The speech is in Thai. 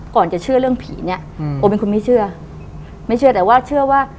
ก่อนจะเชื่อเรื่องผีเนี้ยอืมโอเป็นคนไม่เชื่อไม่เชื่อแต่ว่าเชื่อว่า